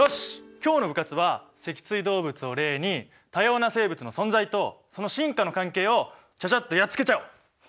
今日の部活は脊椎動物を例に多様な生物の存在とその進化の関係をチャチャッとやっつけちゃおう！